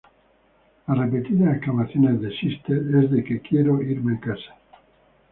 Las repetidas exclamaciones de "Sister", es de que "Quiero irme a casa".